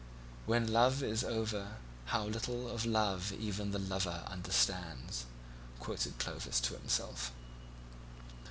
"When love is over, how little of love even the lover understands," quoted Clovis to himself.